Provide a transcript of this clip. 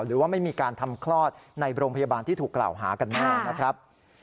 หรือว่าไม่มีการทำคลอดในโรงพยาบาลที่ถูกกล่าวหากันแน่นะครับ